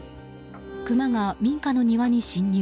クマが民家の庭に侵入。